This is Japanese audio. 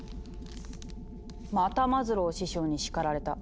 「またマズロー師匠に叱られた。